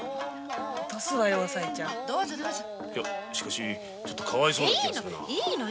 いやしかしちょっとかわいそうな気がするが。